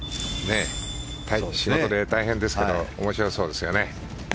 仕事で大変ですけど面白そうですよね。